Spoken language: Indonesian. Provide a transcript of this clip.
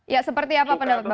ya seperti apa pendapat bapak